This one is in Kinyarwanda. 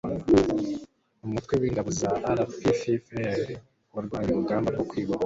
rpaapr umutwe w'ingabo za rpffpr warwanye urugamba rwo kwibohora